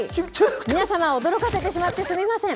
皆様、驚かせてしまってすみません。